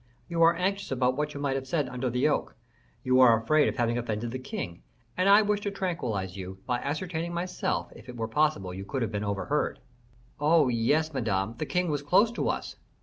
You are anxious about what you may have said under the oak; you are afraid of having offended the king, and I wish to tranquillize you by ascertaining myself if it were possible you could have been overheard." "Oh, yes, Madame, the king was close to us."